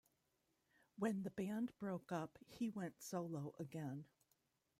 When the band broke up, he went solo again.